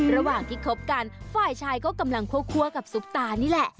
ระหว่างที่คบกันฝ่ายชายก็กำลังคั่วกับซุปตานี่แหละ